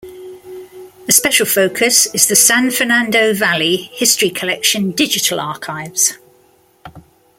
A special focus is the San Fernando Valley History Collection digital archives.